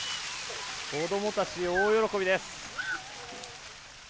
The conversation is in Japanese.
子どもたち、大喜びです。